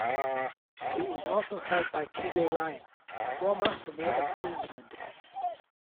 It was also held by T. J. Ryan, a former Premier of Queensland.